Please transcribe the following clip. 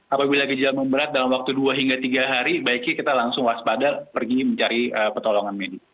apabila gejala memberat dalam waktu dua hingga tiga hari baiknya kita langsung waspada pergi mencari pertolongan medis